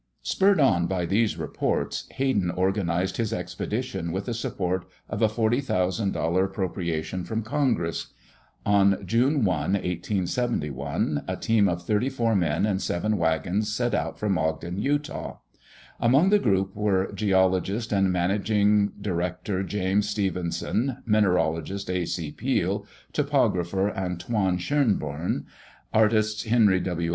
] Spurred on by these reports, Hayden organized his expedition with the support of a $40,000 appropriation from Congress. On June 1, 1871, a team of 34 men and seven wagons, set out from Ogden, Utah. Among the group were geologist and managing director James Stevenson, mineralogist A. C. Peale, topographer Antoine Schoenborn, artists Henry W.